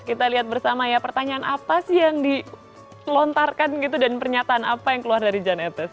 kita lihat bersama ya pertanyaan apa sih yang dilontarkan gitu dan pernyataan apa yang keluar dari jan etes